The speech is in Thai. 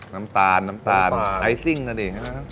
น้ำตาลน้ำตาลไอซิ่งนะดิ